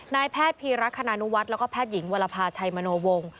นายแพทย์พีรักษณานุวัฒน์แล้วก็แพทย์หญิงวรภาชัยมโนวงศ์